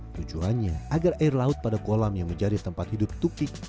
tujuannya agar air laut pada kolam yang menjadi tempat hidup tukik